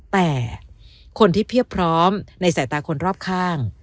แต่คนที่เพียบพร้อมในสายตาคนรอบข้าง